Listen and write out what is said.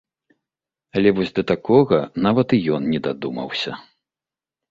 Але вось да такога нават і ён не дадумаўся.